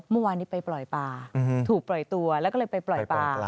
เมื่อวานนี้ไปปล่อยปลาถูกปล่อยตัวแล้วก็เลยไปปล่อยปลา